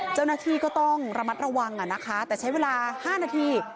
เจ้าหน้าที่ก็ต้องระมัดระวังนะคะแต่ใช้เวลา๕นาที